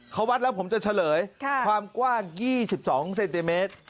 เขาวัดแล้วผมจะเฉลยความกว้าง๒๒เซนติเมตร